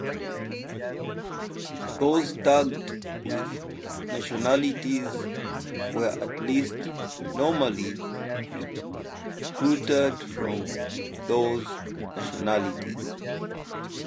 Those tagged with nationalities were at least nominally recruited from those nationalities.